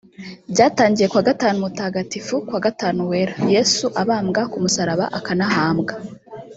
Byatangiye kuwa gatanu mutagatifu (kuwa gatanu wera) Yesu abambwa ku musaraba akanahambwa